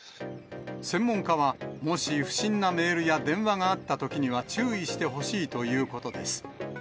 専門家は、もし不審なメールや電話があったときには注意してほしいということです。